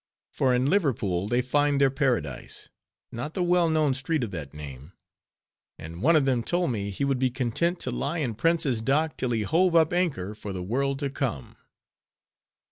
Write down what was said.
For in Liverpool they find their Paradise—not the well known street of that name—and one of them told me he would be content to lie in Prince's Dock till he hove up anchor for the world to come.